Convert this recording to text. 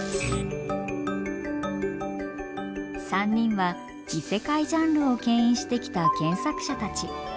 ３人は異世界ジャンルをけん引してきた原作者たち。